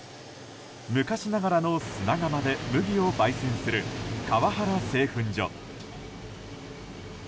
昔ながらの砂窯で麦を焙煎する、川原製粉所。